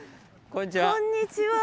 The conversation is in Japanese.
こんにちは。